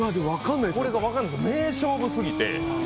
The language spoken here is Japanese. これが分からないんです、名勝負すぎて。